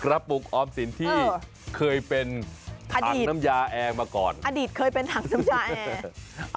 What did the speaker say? ปุกออมสินที่เคยเป็นถังน้ำยาแอร์มาก่อนอดีตเคยเป็นถังน้ำใจ